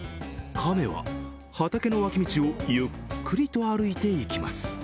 亀は畑の脇道をゆっくりと歩いて行きます。